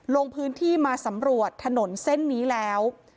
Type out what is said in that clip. ลงพื้นที่มาสำรวจถนนเส้นนี้แล้ว